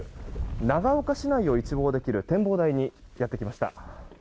長岡市内を一望できる展望台にやってきました。